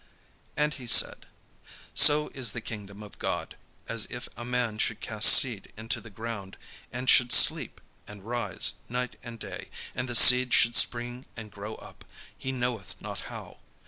And he said: "So is the kingdom of God, as if a man should cast seed into the ground; and should sleep, and rise night and day, and the seed should spring and grow up, he knoweth not how.